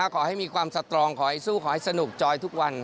ขอให้มีความสตรองขอให้สู้ขอให้สนุกจอยทุกวัน